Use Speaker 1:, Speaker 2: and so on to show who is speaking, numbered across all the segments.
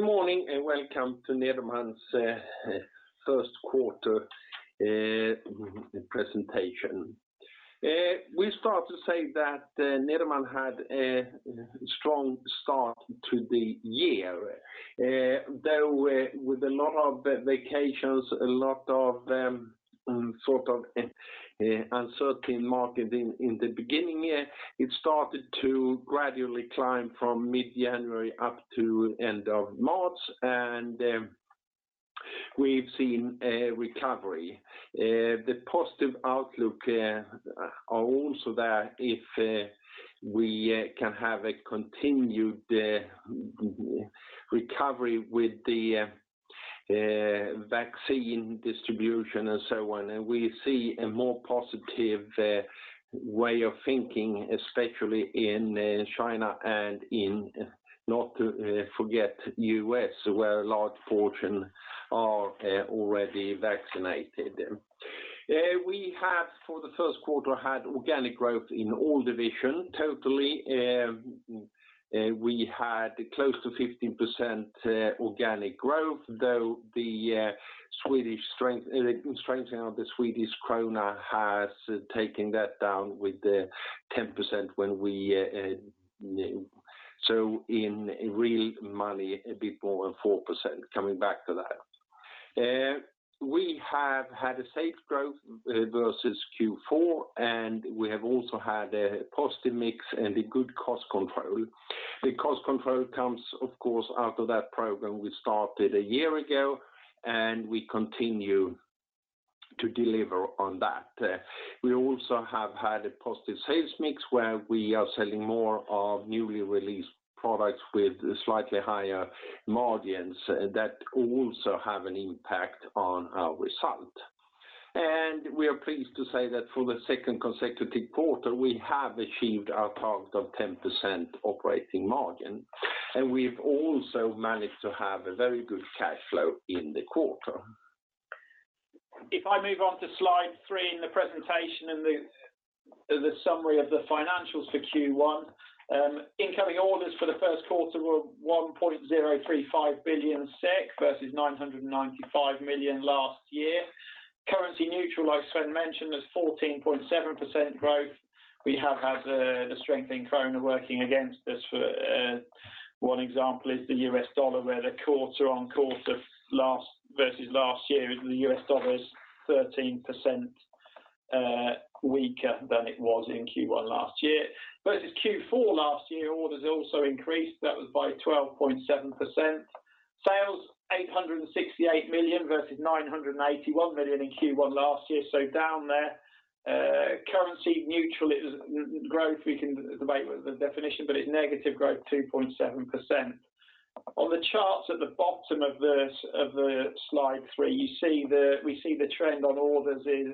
Speaker 1: Good morning, welcome to Nederman's first quarter presentation. We start to say that Nederman had a strong start to the year. With a lot of vacations, a lot of uncertain market in the beginning, it started to gradually climb from mid-January up to end of March, and we've seen a recovery. The positive outlook are also there if we can have a continued recovery with the vaccine distribution and so on. We see a more positive way of thinking, especially in China and in, not to forget, U.S., where a large portion are already vaccinated. We have, for the first quarter, had organic growth in all division. Totally, we had close to 15% organic growth, though the strengthening of the Swedish krona has taken that down with 10%, so in real money, a bit more than 4%, coming back to that. We have had a safe growth versus Q4, and we have also had a positive mix and a good cost control. The cost control comes, of course, out of that program we started a year ago, and we continue to deliver on that. We also have had a positive sales mix where we are selling more of newly released products with slightly higher margins that also have an impact on our result. We are pleased to say that for the second consecutive quarter, we have achieved our target of 10% operating margin, and we've also managed to have a very good cash flow in the quarter.
Speaker 2: I move on to slide three in the presentation and the summary of the financials for Q1. Incoming orders for the first quarter were 1.035 billion SEK versus 995 million last year. Currency neutral, like Sven mentioned, is 14.7% growth. We have had the strengthening krona working against us. One example is the U.S. dollar, where the quarter-on-quarter versus last year, the U.S. dollar is 13% weaker than it was in Q1 last year. Versus Q4 last year, orders also increased. That was by 12.7%. Sales 868 million versus 981 million in Q1 last year, down there. Currency neutral growth, we can debate the definition, it's negative growth 2.7%. On the charts at the bottom of the slide three, we see the trend on orders is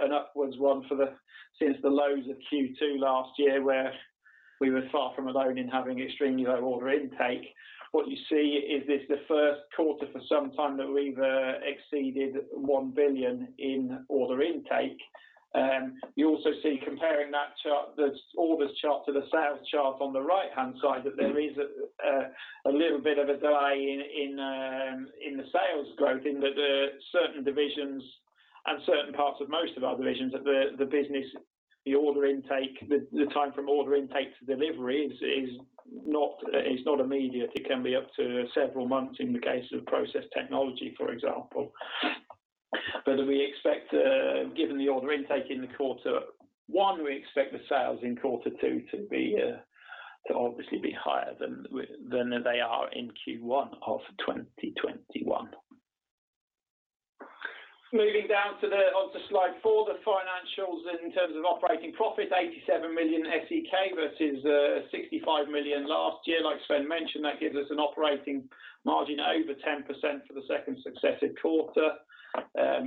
Speaker 2: an upwards one since the lows of Q2 last year, where we were far from alone in having extremely low order intake. What you see is this the first quarter for some time that we've exceeded 1 billion in order intake. You also see comparing that chart, the orders chart to the sales chart on the right-hand side, that there is a little bit of a delay in the sales growth in certain divisions and certain parts of most of our divisions that the business, the time from order intake to delivery is not immediate. It can be up to several months in the case of Process Technology, for example. Given the order intake in Q1, we expect the sales in Q2 to obviously be higher than they are in Q1 of 2021. Moving down on to slide four, the financials in terms of operating profit, 87 million SEK versus 65 million SEK last year. Like Sven mentioned, that gives us an operating margin over 10% for the second successive quarter.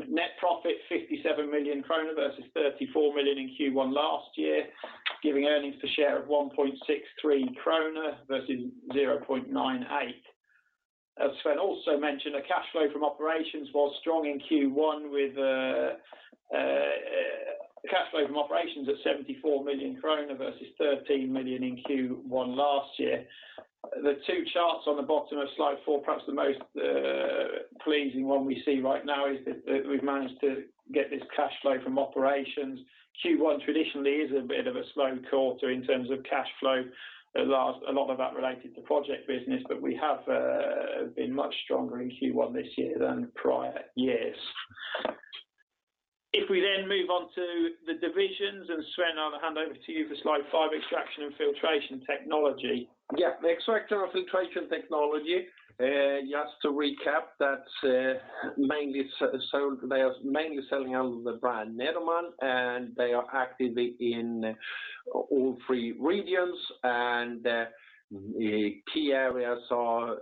Speaker 2: Net profit 57 million krona versus 34 million SEK in Q1 last year, giving earnings per share of 1.63 krona versus 0.98 SEK. As Sven also mentioned, a cash flow from operations was strong in Q1 with cash flow from operations at 74 million krona versus 13 million SEK in Q1 last year. The two charts on the bottom of slide four, perhaps the most pleasing one we see right now is that we've managed to get this cash flow from operations. Q1 traditionally is a bit of a slow quarter in terms of cash flow. A lot of that related to project business, but we have been much stronger in Q1 this year than prior years. We move on to the divisions, and Sven, I'll hand over to you for slide five, Extraction & Filtration Technology.
Speaker 1: Yeah. The Extraction & Filtration Technology, just to recap, they are mainly selling under the brand Nederman, and they are active in all three regions. The key areas are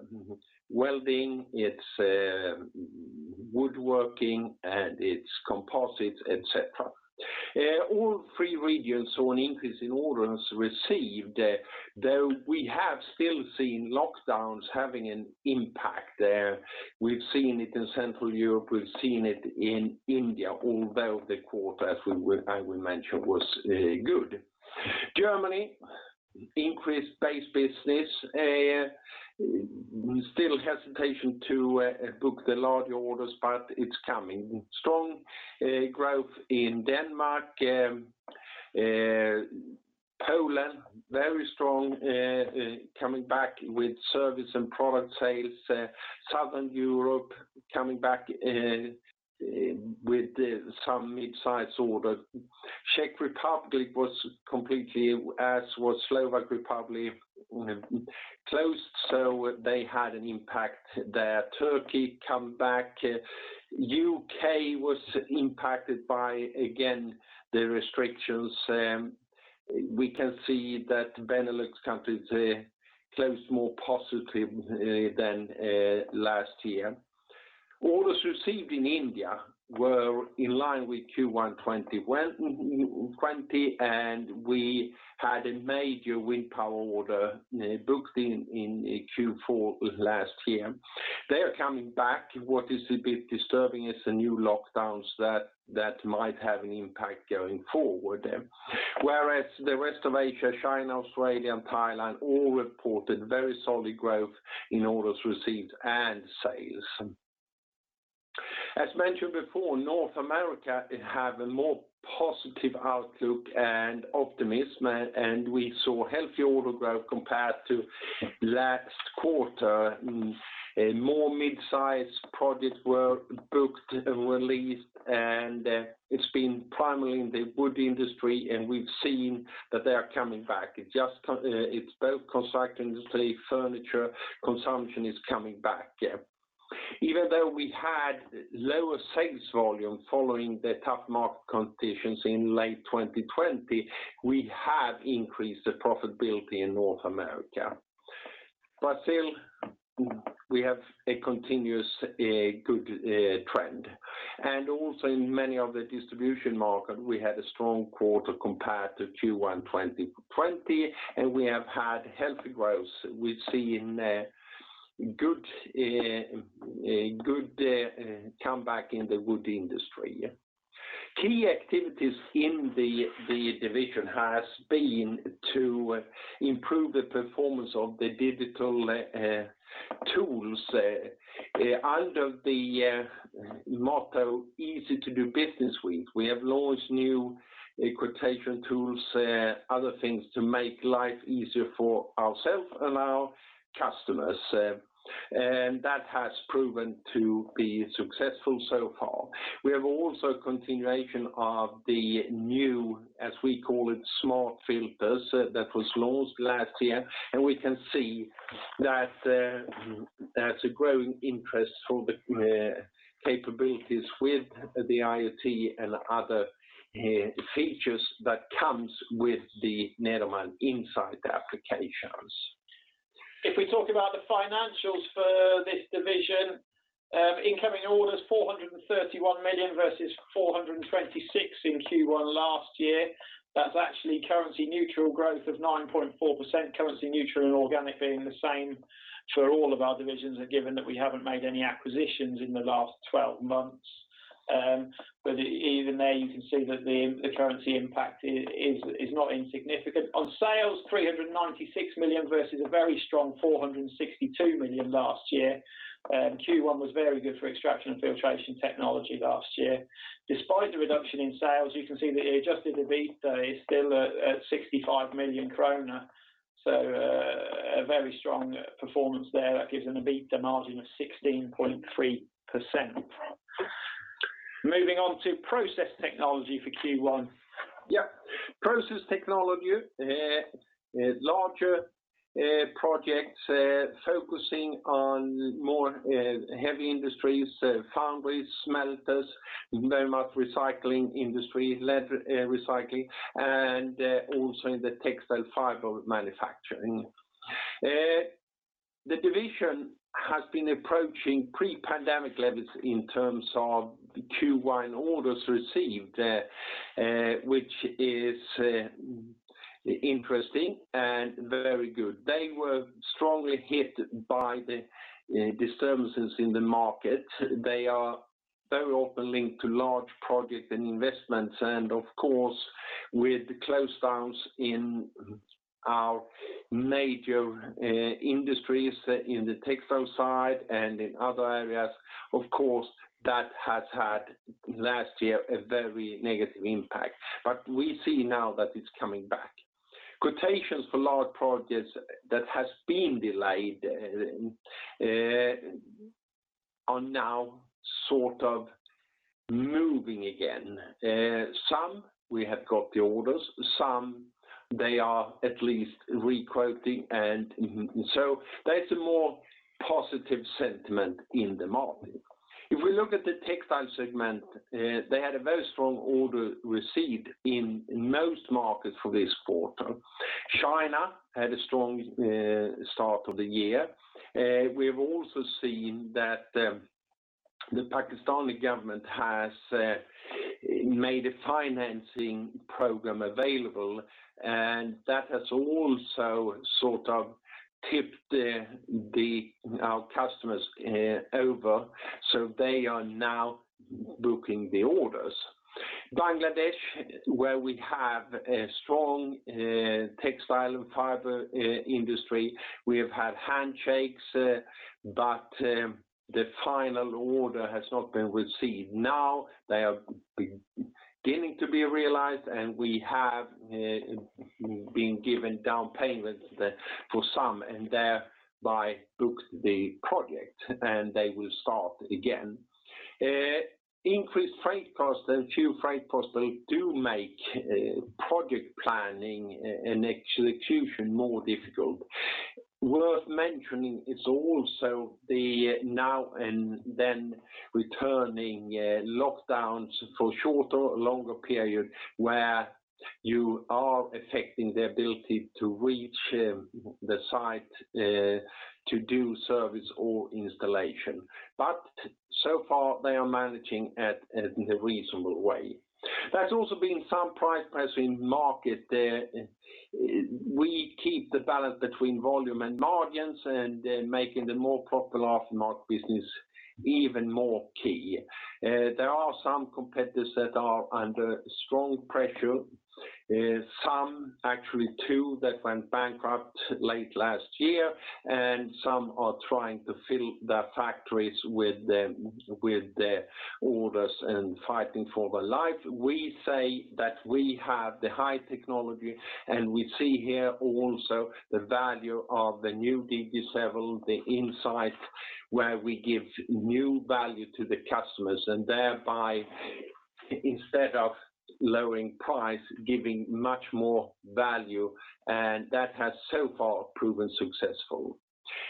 Speaker 1: welding, it's woodworking, and it's composites, et cetera. All three regions saw an increase in orders received, though we have still seen lockdowns having an impact there. We've seen it in Central Europe, we've seen it in India, although the quarter, as I will mention, was good. Germany increased base business. Still hesitation to book the larger orders, but it's coming. Strong growth in Denmark. Poland, very strong, coming back with service and product sales. Southern Europe coming back with some mid-size order. Czech Republic was completely, as was Slovak Republic, closed, so they had an impact there. Turkey come back. U.K. was impacted by, again, the restrictions. We can see that Benelux countries closed more positive than last year. Orders received in India were in line with Q1 2020, and we had a major wind power order booked in Q4 last year. They're coming back. What is a bit disturbing is the new lockdowns that might have an impact going forward. Whereas the rest of Asia, China, Australia, and Thailand all reported very solid growth in orders received and sales. As mentioned before, North America have a more positive outlook and optimism, and we saw healthy order growth compared to last quarter. More mid-size projects were booked and released, and it's been primarily in the wood industry, and we've seen that they are coming back. It's both construction industry, furniture, consumption is coming back. Even though we had lower sales volume following the tough market conditions in late 2020, we have increased the profitability in North America. Still, we have a continuous good trend. Also in many of the distribution market, we had a strong quarter compared to Q1 2020, and we have had healthy growth. We've seen good comeback in the wood industry. Key activities in the division has been to improve the performance of the digital tools. Under the motto, "Easy to do business with," we have launched new quotation tools, other things to make life easier for ourselves and our customers. That has proven to be successful so far. We have also continuation of the new, as we call it, SmartFilter that was launched last year, and we can see that there's a growing interest for the capabilities with the IoT and other features that comes with the Nederman Insight applications.
Speaker 2: If we talk about the financials for this division, incoming orders, 431 million versus 426 million in Q1 last year. That's actually currency neutral growth of 9.4%, currency neutral and organic being the same for all of our divisions and given that we haven't made any acquisitions in the last 12 months. Even there, you can see that the currency impact is not insignificant. On sales, 396 million versus a very strong 462 million last year. Q1 was very good for Extraction & Filtration Technology last year. Despite the reduction in sales, you can see the adjusted EBITA is still at 65 million kronor. A very strong performance there. That gives an EBITA margin of 16.3%. Moving on to Process Technology for Q1.
Speaker 1: Yeah. Process Technology, larger projects focusing on more heavy industries, foundries, smelters, very much recycling industry, lead recycling, and also in the textile fiber manufacturing. The division has been approaching pre-pandemic levels in terms of Q1 orders received, which is interesting and very good. They were strongly hit by the disturbances in the market. They are very often linked to large project and investments, and of course, with the close downs in our major industries in the textile side and in other areas, of course, that has had last year a very negative impact. We see now that it's coming back. Quotations for large projects that has been delayed are now sort of moving again. Some we have got the orders, some they are at least re-quoting, there's a more positive sentiment in the market. If we look at the textile segment, they had a very strong order received in most markets for this quarter. China had a strong start of the year. We have also seen that the Pakistani government has made a financing program available, and that has also sort of tipped our customers over, so they are now booking the orders. Bangladesh, where we have a strong textile and fiber industry, we have had handshakes, but the final order has not been received. Now they are beginning to be realized, and we have been given down payments for some, and thereby booked the project, and they will start again. Increased freight costs and fuel freight costs, they do make project planning and execution more difficult. Worth mentioning, it's also the now and then returning lockdowns for shorter or longer period, where you are affecting the ability to reach the site to do service or installation. So far, they are managing it in a reasonable way. There's also been some price press in market. We keep the balance between volume and margins and making the more profitable aftermarket business even more key. There are some competitors that are under strong pressure. Some, actually two, that went bankrupt late last year. Some are trying to fill their factories with their orders and fighting for their life. We say that we have the high technology. We see here also the value of the new DG7, the Insight where we give new value to the customers, thereby, instead of lowering price, giving much more value. That has so far proven successful.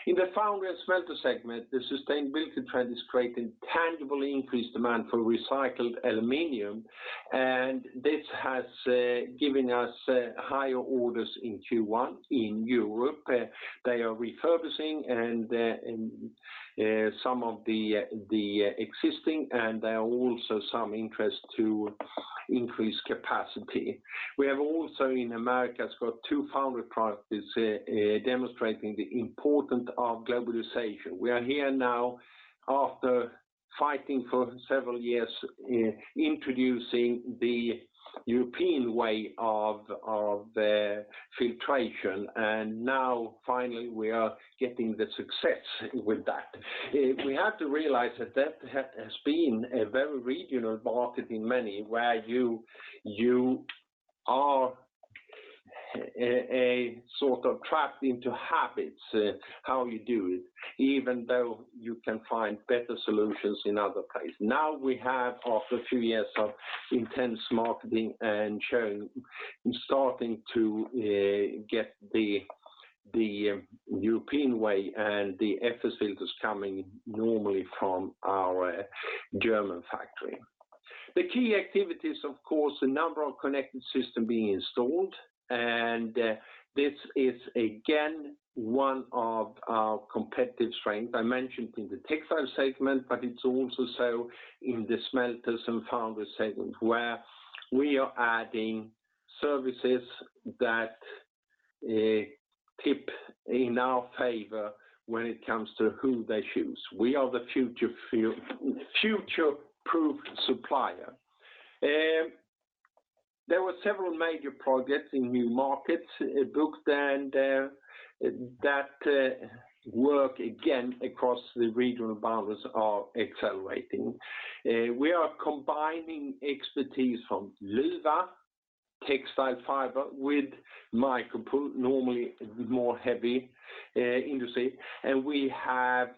Speaker 1: In the foundry and smelter segment, the sustainability trend is creating tangibly increased demand for recycled aluminum, and this has given us higher orders in Q1 in Europe. They are refurbishing some of the existing, and there are also some interest to increase capacity. We have also in Americas got two foundry projects demonstrating the important of globalization. We are here now after fighting for several years, introducing the European way of the filtration, and now finally, we are getting the success with that. We have to realize that has been a very regional market in many, where you are sort of trapped into habits, how you do it, even though you can find better solutions in other places. Now we have, after a few years of intense marketing and showing, starting to get the European way and the FS filters coming normally from our German factory. The key activities, of course, the number of connected system being installed, and this is again, one of our competitive strengths I mentioned in the textile segment, but it's also so in the smelters and foundry segment, where we are adding services that tip in our favor when it comes to who they choose. We are the future-proof supplier. There were several major projects in new markets booked and that work again across the regional boundaries are accelerating. We are combining expertise from Luwa Textile Fiber with MikroPul normally more heavy industry, and we have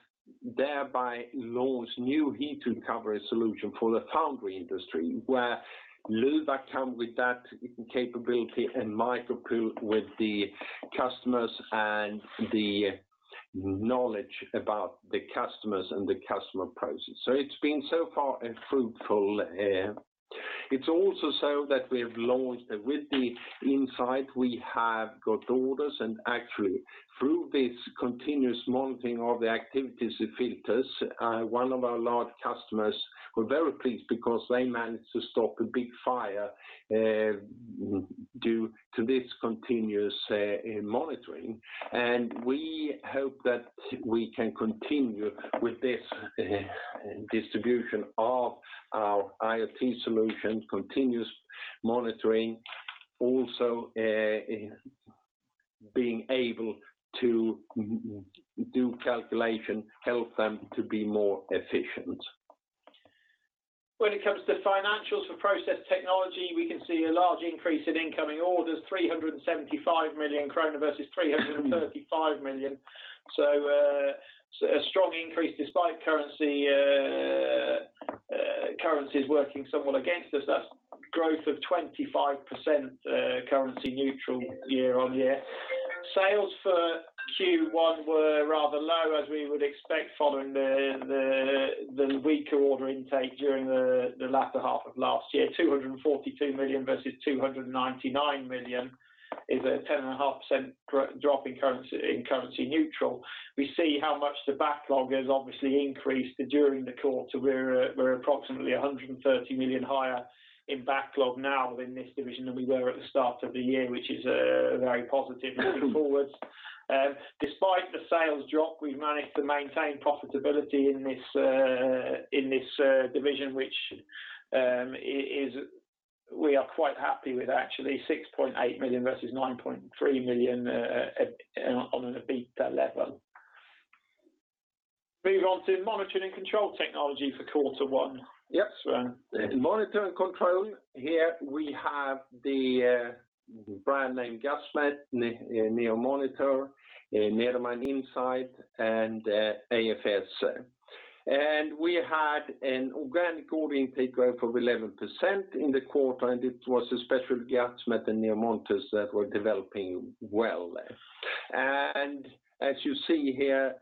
Speaker 1: thereby launched new heat recovery solution for the foundry industry, where Luwa come with that capability and MikroPul with the customers and the knowledge about the customers and the customer process. It's been so far fruitful. It's also so that we've launched with the Insight, we have got orders and actually through this continuous monitoring of the activities filters, one of our large customers were very pleased because they managed to stop a big fire due to this continuous monitoring. We hope that we can continue with this distribution of our IoT solution, continuous monitoring, also being able to do calculation, help them to be more efficient.
Speaker 2: When it comes to financials for Process Technology, we can see a large increase in incoming orders, 375 million krona versus 335 million. A strong increase despite currencies working somewhat against us. That's growth of 25% currency neutral year-on-year. Sales for Q1 were rather low, as we would expect, following the weaker order intake during the latter half of last year. 242 million versus 299 million, is a 10.5% drop in currency neutral. We see how much the backlog has obviously increased during the quarter. We're approximately 130 million higher in backlog now in this division than we were at the start of the year, which is very positive looking forwards. Despite the sales drop, we've managed to maintain profitability in this division, which we are quite happy with actually 6.8 million versus 9.3 million on an EBITDA level. Moving on to Monitoring & Control Technology for quarter one.
Speaker 1: Yes. Monitoring & Control Technology, here we have the brand name Gasmet, NEO Monitors, Nederman Insight, and AFS. We had an organic order intake growth of 11% in the quarter, and it was especially Gasmet and NEO Monitors that were developing well. As you see here,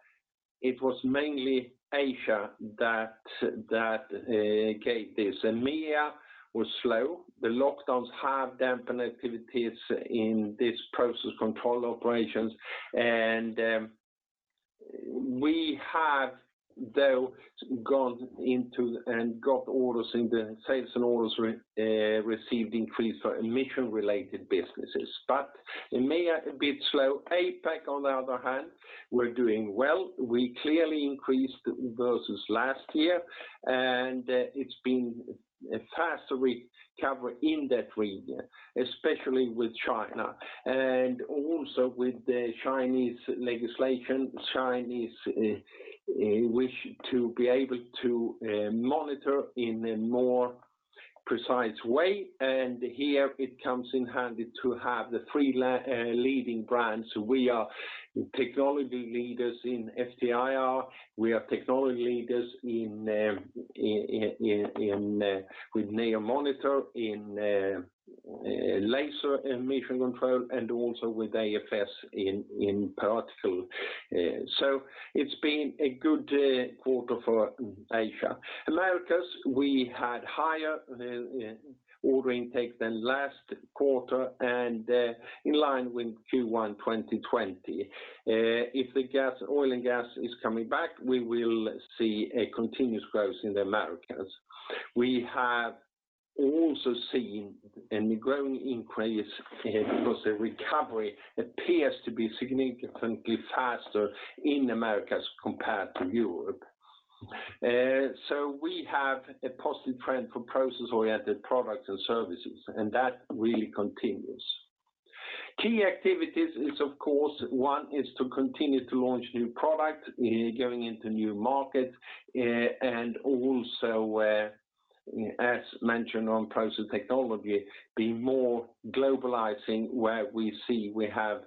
Speaker 1: it was mainly Asia that gave this. EMEA was slow. The lockdowns have dampened activities in these process control operations, and we have, though, gone into and got orders in the sales and orders received increase for emission-related businesses. EMEA a bit slow. APAC, on the other hand, we're doing well. We clearly increased versus last year, and it's been a faster recovery in that region, especially with China and also with the Chinese legislation. Chinese wish to be able to monitor in a more precise way, and here it comes in handy to have the three leading brands. We are technology leaders in FT-IR, we are technology leaders with NEO Monitors in laser emission control, and also with AFS in particle. It's been a good quarter for Asia. Americas, we had higher order intake than last quarter and in line with Q1 2020. If the oil and gas is coming back, we will see a continuous growth in the Americas. We have also seen a growing increase because the recovery appears to be significantly faster in the Americas compared to Europe. We have a positive trend for process-oriented products and services, and that really continues. Key activities is, of course, one is to continue to launch new product, going into new markets, and also, as mentioned on Process Technology, be more globalizing where we see we have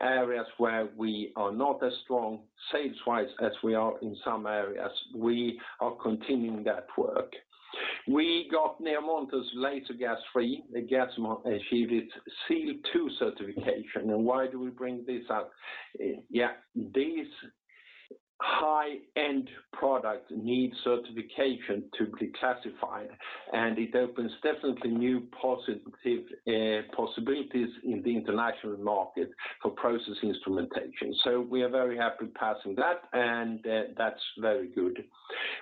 Speaker 1: areas where we are not as strong sales-wise as we are in some areas. We are continuing that work. We got NEO Monitors' LaserGas III, Gasmet achieved its SIL 2 certification. Why do we bring this up? These high-end products need certification to be classified, and it opens definitely new positive possibilities in the international market for process instrumentation. We are very happy passing that, and that's very good.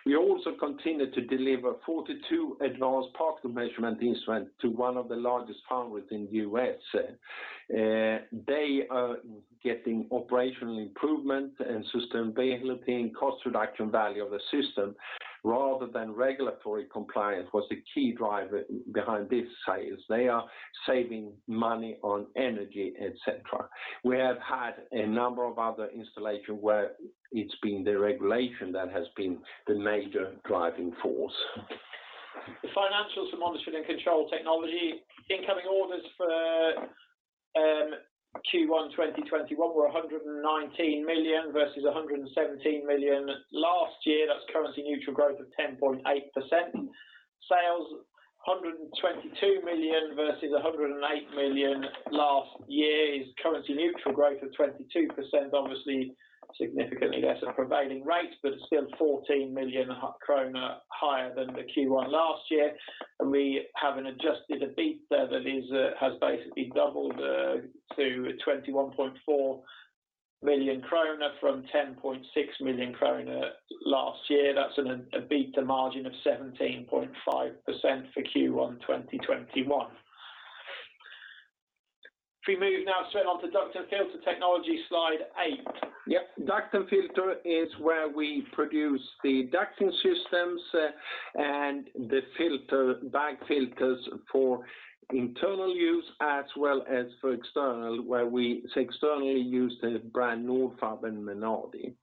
Speaker 1: We also continue to deliver 42 advanced particle measurement instruments to one of the largest foundries in the U.S. They are getting operational improvement and sustainability and cost reduction value of the system rather than regulatory compliance was the key driver behind this sales. They are saving money on energy, et cetera. We have had a number of other installation where it's been the regulation that has been the major driving force.
Speaker 2: The financials for Monitoring & Control Technology, incoming orders for Q1 2021 were 119 million versus 117 million last year. That's currency neutral growth of 10.8%. Sales 122 million versus 108 million last year is currency neutral growth of 22%, obviously significantly less a prevailing rate, but still 14 million kronor higher than the Q1 last year. We have an adjusted EBITDA that has basically doubled to 21.4 million krona from 10.6 million krona last year. That's an EBITDA margin of 17.5% for Q1 2021. If we move now straight on to Duct & Filter Technology, slide eight.
Speaker 1: Yep. Duct and Filter is where we produce the ducting systems and the bag filters for internal use as well as for external, where we externally use the brand Nordfab and Menardi.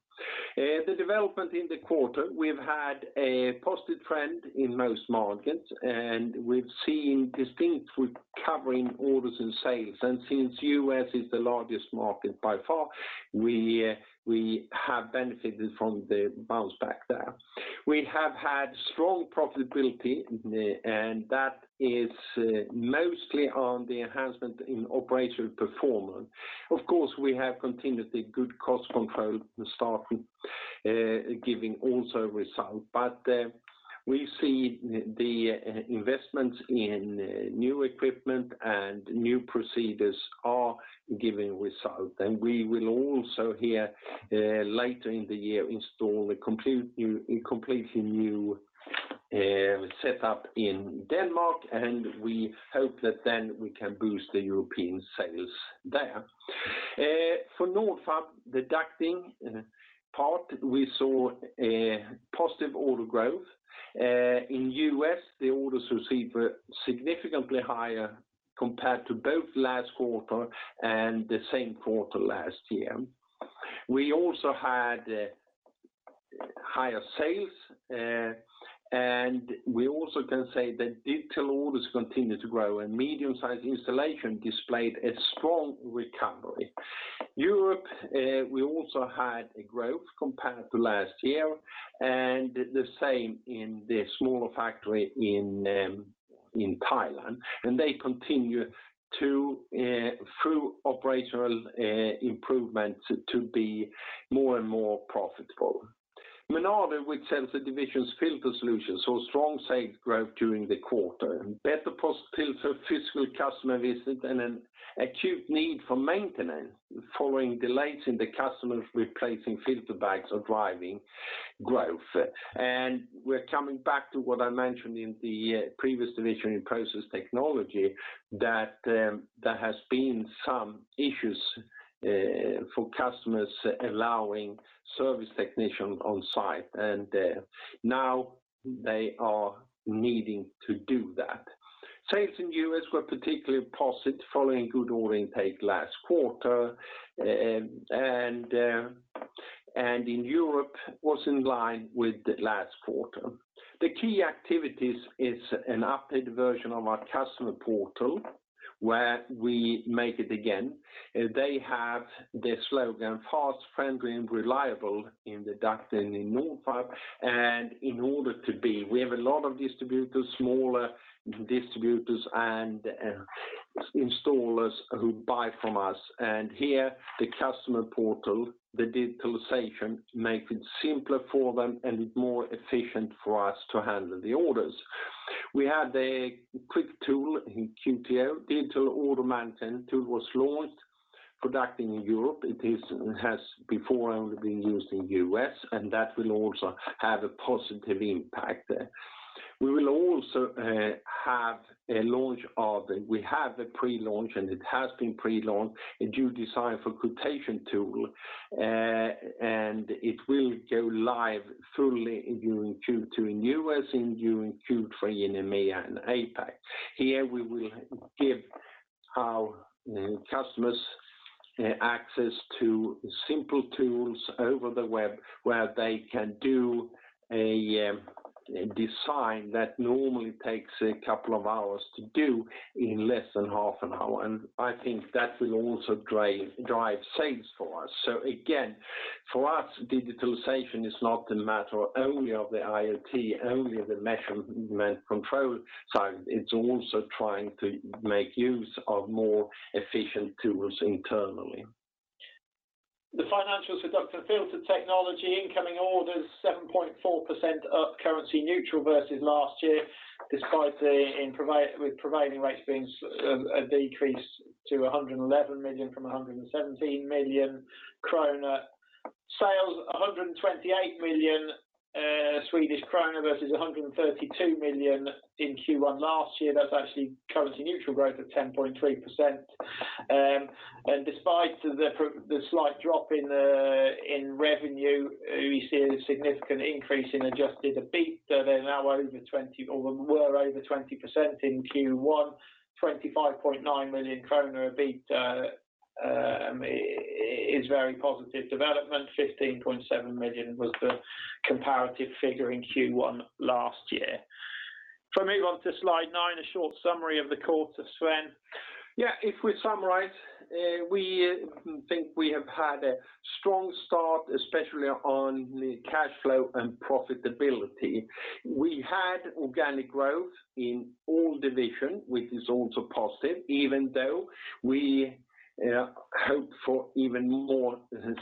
Speaker 1: The development in the quarter, we've had a positive trend in most markets, and we've seen distinct recovery in orders and sales. Since U.S. is the largest market by far, we have benefited from the bounce back there. We have had strong profitability, and that is mostly on the enhancement in operational performance. Of course, we have continuously good cost control starting giving also result. We see the investments in new equipment and new procedures are giving result. We will also here later in the year install a completely new setup in Denmark, and we hope that then we can boost the European sales there. For Nordfab, the ducting part, we saw a positive order growth. In U.S., the orders received were significantly higher compared to both last quarter and the same quarter last year. We also had higher sales, and we also can say that digital orders continue to grow, and medium-sized installation displayed a strong recovery. Europe, we also had a growth compared to last year, and the same in the smaller factory in Thailand. They continue through operational improvements to be more and more profitable. Menardi, with sensor divisions filter solutions, saw strong sales growth during the quarter, and better possibilities for physical customer visit and an acute need for maintenance following delays in the customers replacing filter bags are driving growth. We're coming back to what I mentioned in the previous division in Process Technology, that there has been some issues for customers allowing service technician on site. Now they are needing to do that. Sales in U.S. were particularly positive following good order intake last quarter, and in Europe was in line with last quarter. The key activities is an updated version of our customer portal, where we make it again. They have the slogan, "Fast, friendly, and reliable" in the ducting in Nordfab. In order to be, we have a lot of distributors, smaller distributors and installers who buy from us. Here, the customer portal, the digitalization, make it simpler for them and more efficient for us to handle the orders. We had a quick tool in QTO, digital order management tool was launched for ducting in Europe. It has before only been used in U.S., and that will also have a positive impact there. We have a pre-launch, and it has been pre-launched, a new design for quotation tool, and it will go live fully during Q2 in the U.S. and during Q3 in EMEA and APAC. Here we will give our customers access to simple tools over the web where they can do a design that normally takes a couple of hours to do in less than half an hour. I think that will also drive sales for us. Again, for us, digitalization is not a matter only of the IoT, only the measurement control side. It's also trying to make use of more efficient tools internally.
Speaker 2: The financials for Duct & Filter Technology, incoming orders 7.4% up currency neutral versus last year, despite with prevailing rates being a decrease to 111 million from 117 million krona. Sales 128 million Swedish krona versus 132 million in Q1 last year. That's actually currency neutral growth of 10.3%. Despite the slight drop in revenue, we see a significant increase in adjusted EBIT. They're now over 20% or were over 20% in Q1, 25.9 million krona EBIT is very positive development, 15.7 million was the comparative figure in Q1 last year. If I move on to slide nine, a short summary of the quarter, Sven.
Speaker 1: Yeah. If we summarize, we think we have had a strong start, especially on the cash flow and profitability. We had organic growth in all Divisions, which is also positive, even though we hope for even more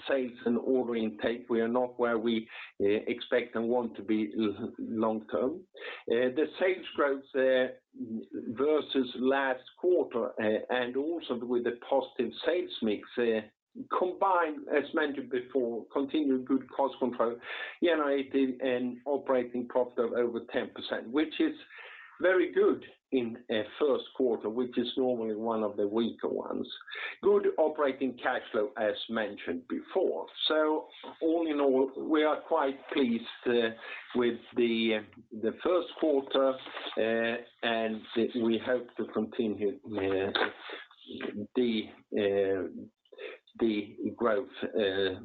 Speaker 1: sales and order intake. We are not where we expect and want to be long term. The sales growth versus last quarter, and also with the positive sales mix, combined, as mentioned before, continued good cost control, generating an operating profit of over 10%, which is very good in a first quarter, which is normally one of the weaker ones. Good operating cash flow, as mentioned before. All in all, we are quite pleased with the first quarter, and we hope to continue the growth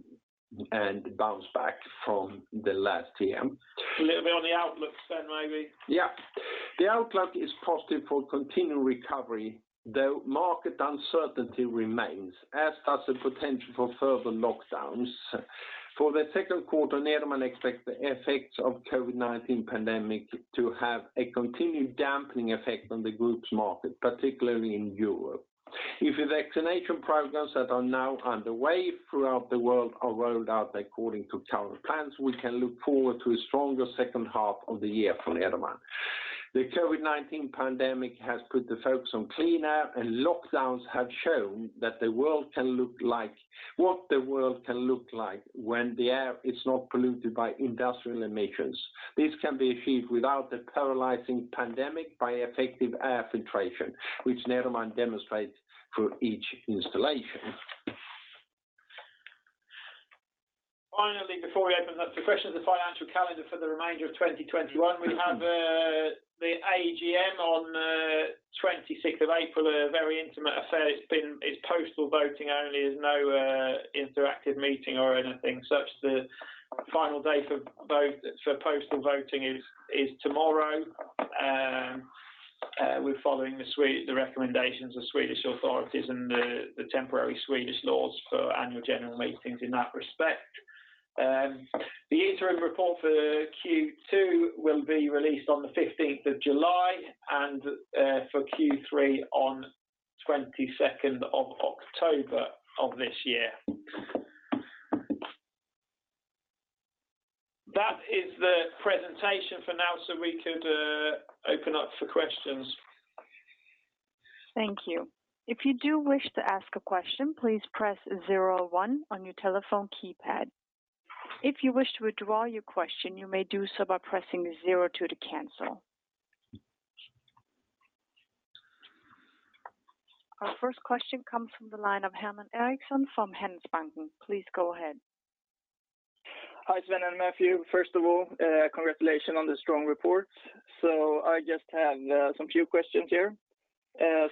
Speaker 1: and bounce back from the last year.
Speaker 2: A little bit on the outlook, Sven, maybe.
Speaker 1: Yeah. The outlook is positive for continued recovery, though market uncertainty remains, as does the potential for further lockdowns. For the second quarter, Nederman expects the effects of COVID-19 pandemic to have a continued dampening effect on the group's market, particularly in Europe. If the vaccination programs that are now underway throughout the world are rolled out according to current plans, we can look forward to a stronger second half of the year for Nederman. The COVID-19 pandemic has put the focus on clean air, and lockdowns have shown what the world can look like when the air is not polluted by industrial emissions. This can be achieved without the paralyzing pandemic by effective air filtration, which Nederman demonstrates through each installation.
Speaker 2: Finally, before we open up to questions, the financial calendar for the remainder of 2021. We have the AGM on the 26th of April, a very intimate affair. It's postal voting only, there's no interactive meeting or anything such. The final day for postal voting is tomorrow. We're following the recommendations of Swedish authorities and the temporary Swedish laws for annual general meetings in that respect. The interim report for Q2 will be released on the 15th of July, and for Q3 on 22nd of October of this year. That is the presentation for now. We could open up for questions.
Speaker 3: Thank you. If you do wish to ask a question, please press zero one on your telephone keypad. If you wish to withdraw your question, you may do so by pressing zero two to cancel. Our first question comes from the line of Herman Eriksson from Handelsbanken. Please go ahead.
Speaker 4: Hi, Sven and Matthew. First of all, congratulations on the strong report. I just have some few questions here.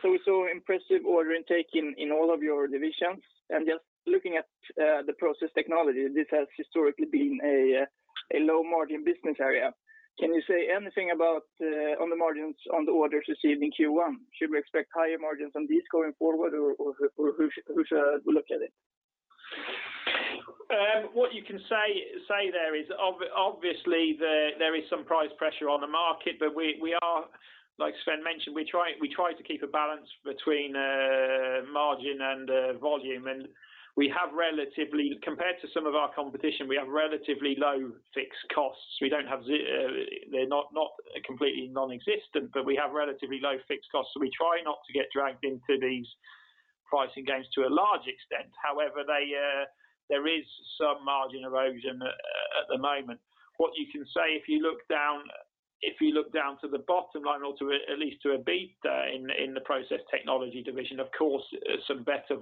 Speaker 4: We saw impressive order intake in all of your divisions, and just looking at the Process Technology, this has historically been a low-margin business area. Can you say anything about the margins on the orders received in Q1? Should we expect higher margins on these going forward, or who should look at it?
Speaker 2: What you can say there is obviously there is some price pressure on the market, but we are, like Sven mentioned, we try to keep a balance between margin and volume. Compared to some of our competition, we have relatively low fixed costs. They're not completely nonexistent, but we have relatively low fixed costs, so we try not to get dragged into these pricing games to a large extent. However, there is some margin erosion at the moment. What you can say, if you look down to the bottom line or at least to EBITA in the Process Technology division, of course, some better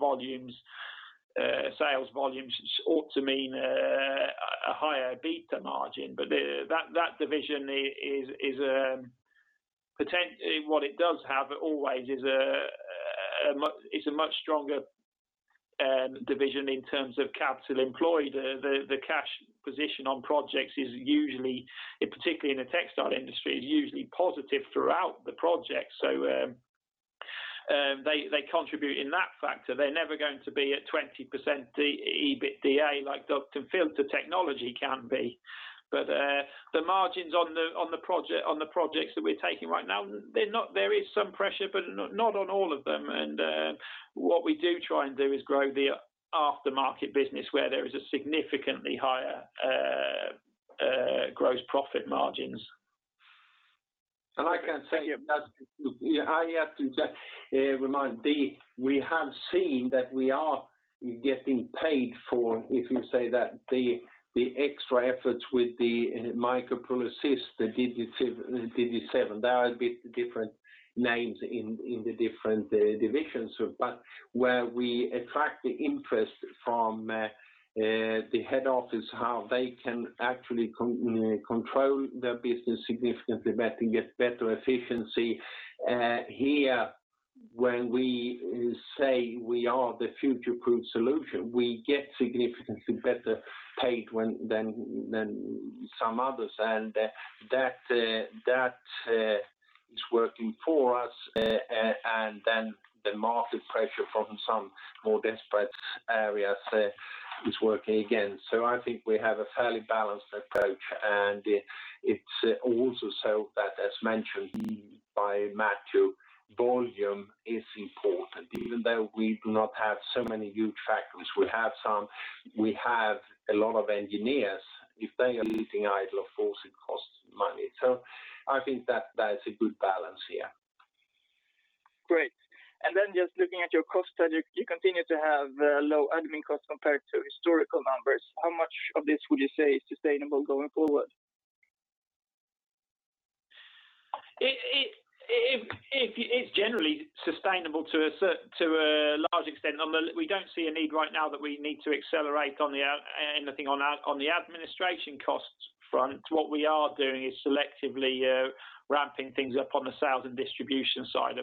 Speaker 2: sales volumes ought to mean a higher EBITA margin. That division, what it does have always is it's a much stronger division in terms of capital employed. The cash position on projects, particularly in the textile industry, is usually positive throughout the project. They contribute in that factor. They're never going to be at 20% EBITDA like Duct & Filter Technology can be. The margins on the projects that we're taking right now, there is some pressure, but not on all of them. What we do try and do is grow the aftermarket business where there is a significantly higher gross profit margins.
Speaker 1: I can say that I have to remind, we have seen that we are getting paid for, if you say that, the extra efforts with the MikroPul, the DigiSeven. There are a bit different names in the different divisions. Where we attract the interest from the head office, how they can actually control their business significantly better and get better efficiency. Here, when we say we are the future-proof solution, we get significantly better paid than some others. That is working for us, and then the market pressure from some more desperate areas is working again. I think we have a fairly balanced approach, and it's also so that, as mentioned by Matthew, volume is important. Even though we do not have so many huge factories, we have some, we have a lot of engineers. If they are sitting idle, of course, it costs money. I think that is a good balance here.
Speaker 4: Great. Just looking at your cost study, you continue to have low admin costs compared to historical numbers. How much of this would you say is sustainable going forward?
Speaker 2: It's generally sustainable to a large extent. We don't see a need right now that we need to accelerate on the administration costs front. What we are doing is selectively ramping things up on the sales and distribution side.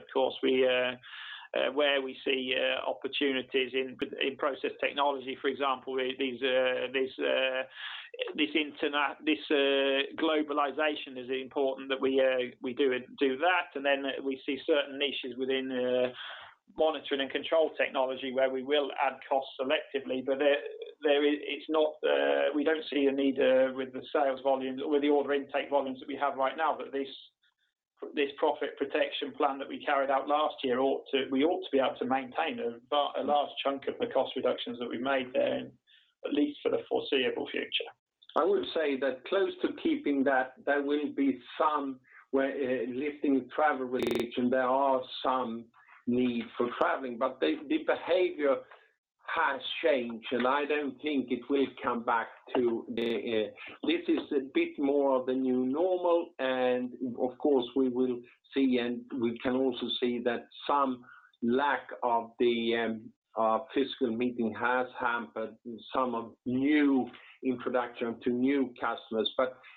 Speaker 2: Where we see opportunities in Process Technology, for example, this globalization is important that we do that. Then we see certain niches within Monitoring & Control Technology where we will add costs selectively. We don't see a need with the order intake volumes that we have right now. This profit protection plan that we carried out last year, we ought to be able to maintain a large chunk of the cost reductions that we made there, at least for the foreseeable future.
Speaker 1: I would say that close to keeping that, there will be some where lifting the travel restriction, there are some need for traveling. The behavior has changed. I don't think it will come back to. This is a bit more of the new normal. Of course, we will see. We can also see that some lack of the physical meeting has hampered some of new introduction to new customers.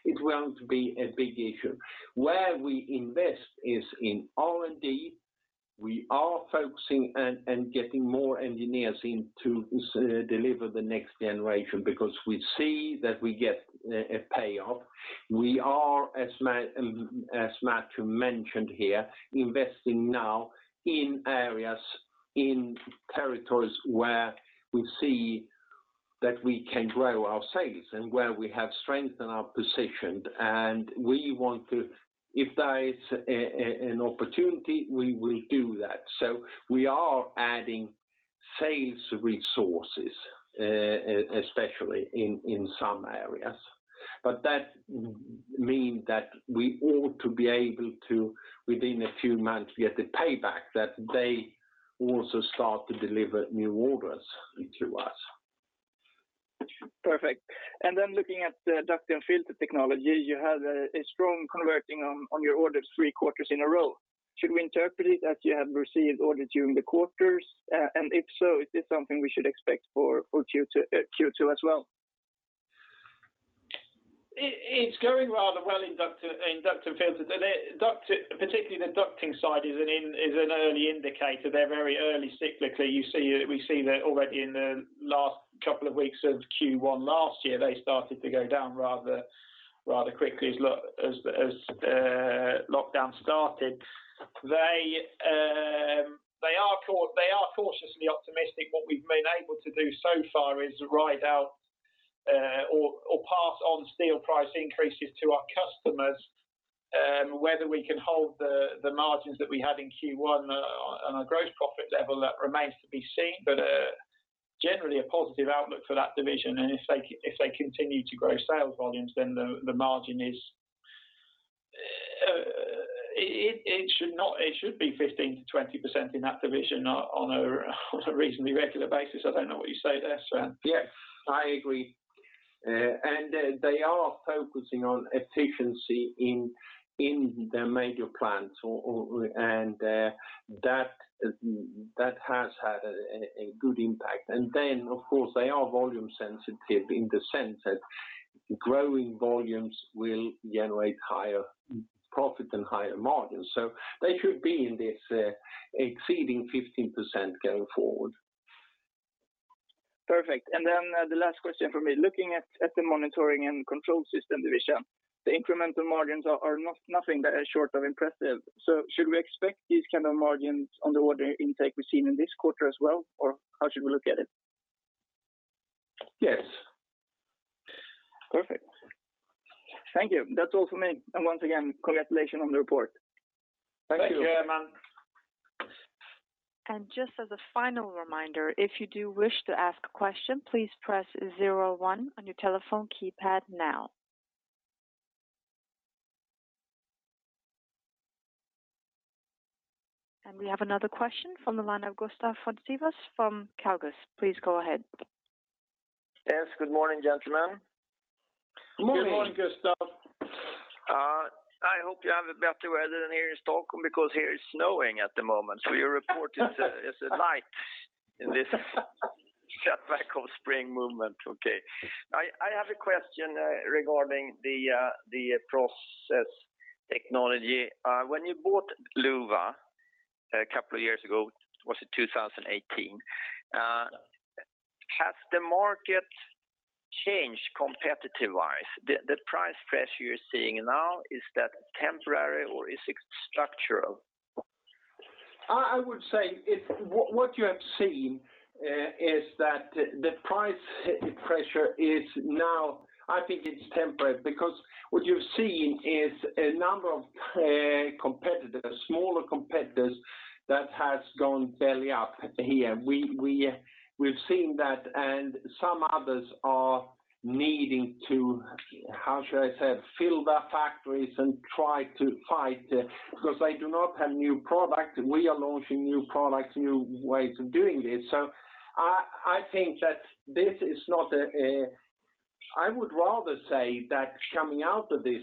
Speaker 1: It won't be a big issue. Where we invest is in R&D. We are focusing and getting more engineers in to deliver the next generation because we see that we get a payoff. We are, as Matthew mentioned here, investing now in areas, in territories where we see that we can grow our sales and where we have strengthened our position. If there is an opportunity, we will do that. We are adding sales resources, especially in some areas. That means that we ought to be able to, within a few months, get the payback that they also start to deliver new orders to us.
Speaker 4: Perfect. Looking at the Duct & Filter Technology, you have a strong converting on your orders three quarters in a row. Should we interpret it that you have received orders during the quarters? If so, is this something we should expect for Q2 as well?
Speaker 2: It's going rather well in Ducting & Filters. Particularly the ducting side is an early indicator. They're very early cyclical. We see that already in the last couple of weeks of Q1 last year, they started to go down rather quickly as lockdown started. They are cautiously optimistic. What we've been able to do so far is ride out or pass on steel price increases to our customers. Whether we can hold the margins that we had in Q1 on a gross profit level, that remains to be seen. Generally, a positive outlook for that division, and if they continue to grow sales volumes, the margin should be 15%-20% in that division on a reasonably regular basis. I don't know what you say there, Sven.
Speaker 1: Yes, I agree. They are focusing on efficiency in their major plants, and that has had a good impact. Of course, they are volume sensitive in the sense that growing volumes will generate higher profit and higher margins. They should be in this exceeding 15% going forward.
Speaker 4: Perfect. The last question from me, looking at the Monitoring & Control Technology division, the incremental margins are nothing short of impressive. Should we expect these kind of margins on the order intake we've seen in this quarter as well, or how should we look at it?
Speaker 1: Yes.
Speaker 4: Perfect. Thank you. That's all from me. Once again, congratulations on the report.
Speaker 1: Thank you.
Speaker 2: Thank you.
Speaker 3: Just as a final reminder, if you do wish to ask a question, please press 01 on your telephone keypad now. We have another question from the line of Gustaf Fontelius from Carlsquare. Please go ahead.
Speaker 5: Yes, good morning, gentlemen.
Speaker 1: Good morning.
Speaker 2: Good morning, Gustaf.
Speaker 5: I hope you have better weather than here in Stockholm because here it's snowing at the moment. Your report is a light in this setback of spring movement. Okay. I have a question regarding the Process Technology. When you bought Luwa a couple of years ago, was it 2018? Has the market changed competitive-wise? The price pressure you're seeing now, is that temporary, or is it structural?
Speaker 1: I would say what you have seen is that the price pressure is now, I think it's temporary because what you've seen is a number of competitors, smaller competitors that has gone belly up here. We've seen that and some others are needing to, how should I say, fill their factories and try to fight because they do not have new products. We are launching new products, new ways of doing this. I think that I would rather say that coming out of this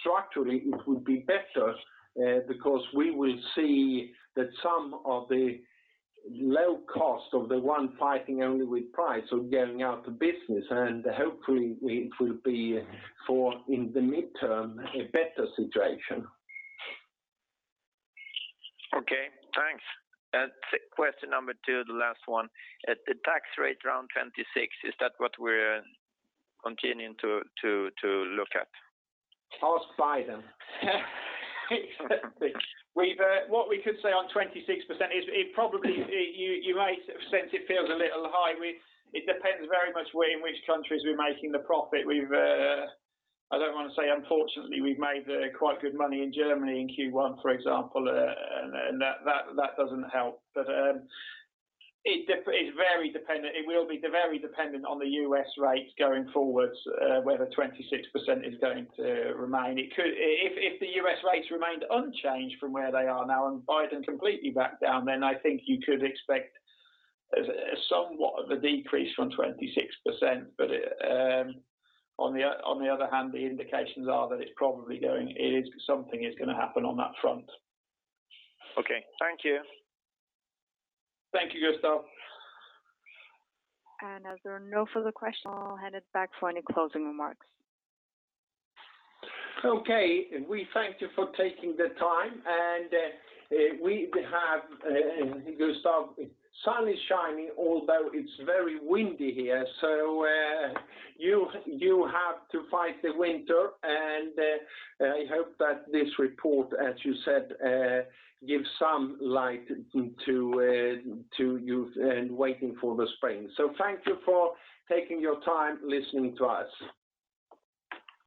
Speaker 1: structurally, it would be better because we will see that some of the low cost of the one fighting only with price are going out of business, and hopefully it will be for in the midterm, a better situation.
Speaker 5: Okay, thanks. Question number two, the last one. The tax rate around 26%, is that what we're continuing to look at?
Speaker 1: Ask Biden.
Speaker 2: What we could say on 26% is it probably you might have sensed it feels a little high. It depends very much where in which countries we're making the profit. I don't want to say unfortunately, we've made quite good money in Germany in Q1, for example, and that doesn't help. It will be very dependent on the U.S. rates going forwards whether 26% is going to remain. If the U.S. rates remained unchanged from where they are now and Biden completely backed down, then I think you could expect somewhat of a decrease from 26%. On the other hand, the indications are that it's probably Something is going to happen on that front.
Speaker 5: Okay. Thank you.
Speaker 2: Thank you, Gustaf.
Speaker 3: As there are no further questions, I will hand it back for any closing remarks.
Speaker 1: Okay. We thank you for taking the time, and we have, Gustaf, sun is shining, although it's very windy here. You have to fight the winter, and I hope that this report, as you said gives some light to you and waiting for the spring. Thank you for taking your time listening to us.